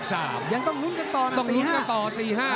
ต้องหลุดกันต่อนะ๔๕